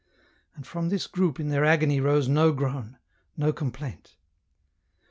And from this group in their agony rose no groan, no complaint.